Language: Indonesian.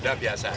udah biasa aja